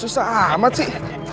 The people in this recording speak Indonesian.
alah susah amat sih